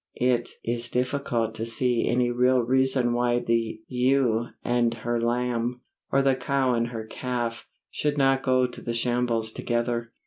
It is difficult to see any real reason why the ewe and her lamb, or the cow and her calf, should not go to the shambles together.